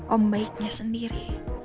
om baiknya sendiri